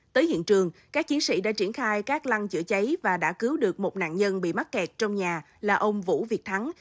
tới hiện trường các chiến sĩ đã triển khai các lăng chữa cháy và đã cứu được một nạn nhân bị mắc kẹt trong nhà là ông vũ việt thắng